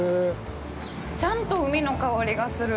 ちゃんと海の香りがする。